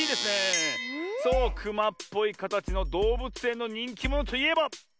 クマっぽいかたちのどうぶつえんのにんきものといえば？